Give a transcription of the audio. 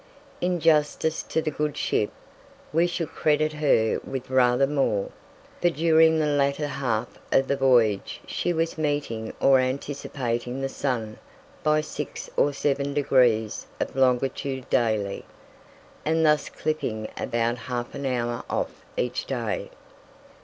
In justice to the good ship, we should credit her with rather more, for during the latter half of the voyage she was meeting or anticipating the sun by six or seven degrees of longitude daily, and thus clipping about half an hour off each day.